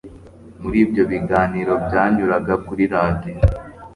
muri ibyo biganiro byanyuraga kuri radiyo